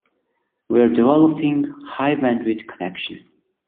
We're developing a high bandwidth connection.